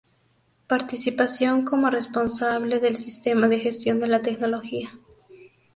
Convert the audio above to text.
Participación como responsable del Sistema de Gestión de la Tecnología.